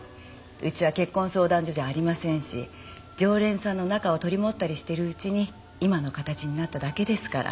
うちは結婚相談所じゃありませんし常連さんの仲を取り持ったりしているうちに今の形になっただけですから。